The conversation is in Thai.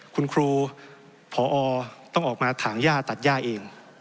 คุณครูพอต้องออกมาถางย่าตัดย่าเอง